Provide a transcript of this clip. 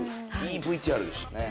いいＶＴＲでしたね。